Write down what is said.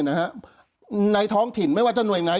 ในท้องถิ่นไม่ว่าจะหน่วยไหน